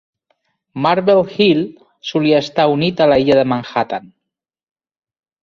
Marble Hill solia estar unit a l'illa de Manhattan.